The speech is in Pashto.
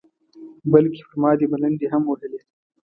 بلکې پر ما دې ملنډې هم وهلې.